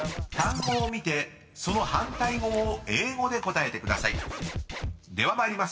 ［単語を見てその反対語を英語で答えてください。